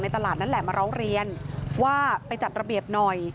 ตลาดนั่นแหละมาร้องเรียนว่าไปจัดระเบียบหน่อย